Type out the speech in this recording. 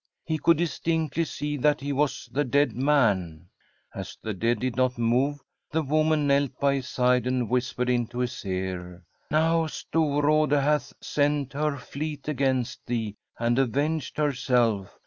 He could distinctly see that he was the dead man. As the dead did not move, the woman knelt by his side and whispered into his ear: ' Now Storrade hath sent her fleet against thee and avenged herself.